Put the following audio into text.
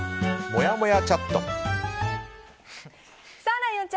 もやもやチャット。